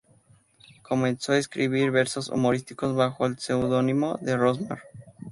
Comenzó a escribir versos humorísticos bajo el seudónimo de "Ross Mar".